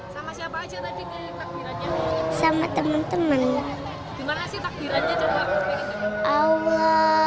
sama siapa aja tadi ke takbirannya